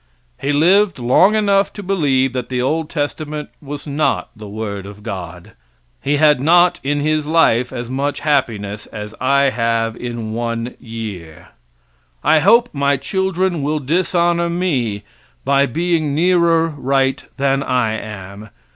He lived long enough to believe that the old testament was not the word of God. He had not in his life as much happiness as I have in one year. I hope my children will dishonor me by being nearer right than I am.